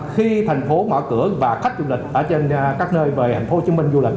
khi thành phố mở cửa và khách du lịch ở trên các nơi về thành phố hồ chí minh du lịch